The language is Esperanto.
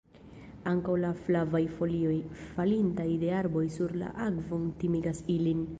Ankaŭ la flavaj folioj, falintaj de arboj sur la akvon timigas ilin.